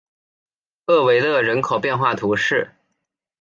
厄维勒人口变化图示